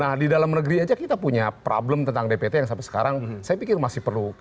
nah di dalam negeri aja kita punya problem tentang dpt yang sampai sekarang saya pikir masih perlu